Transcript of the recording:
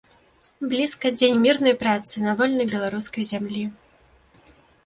Блізка дзень мірнай працы на вольнай беларускай зямлі.